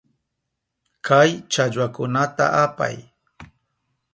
Kay challwakunata apay.